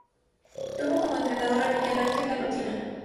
Tuvo como entrenador a Miguel Ángel Lotina.